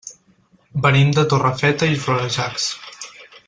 Venim de Torrefeta i Florejacs.